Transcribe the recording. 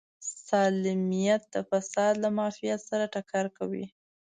سالمیت د فساد له معافیت سره ټکر کوي.